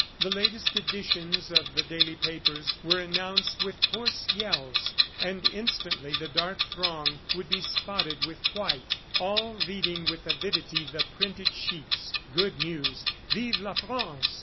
The latest editions of the daily papers were announced with hoarse yells, and instantly the dark throng would be spotted with white, all reading with avidity the printed sheets. Good news: "Vive la France!"